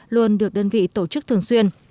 luôn được đơn vị tổ chức thường xuyên